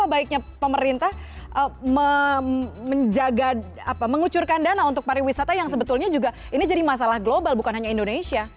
baiknya pemerintah mengucurkan dana untuk pariwisata yang sebetulnya juga ini jadi masalah global bukan hanya indonesia